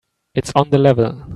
It's on the level.